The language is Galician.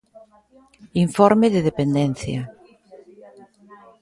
Informe de dependencia.